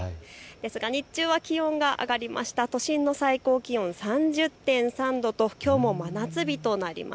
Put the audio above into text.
ですが日中は気温が上がりました都心の最高気温３０．３度ときょうも真夏日。